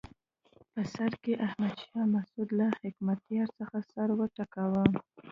په سر کې احمد شاه مسعود له حکمتیار څخه سر وټکاوه.